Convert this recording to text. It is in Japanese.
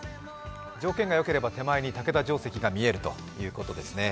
条件がよければ手前に竹田城跡が見えるということですね。